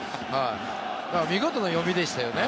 でも見事な読みでしたよね。